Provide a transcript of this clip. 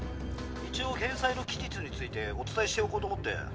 一応返済の期日についてお伝えしておこうと思って。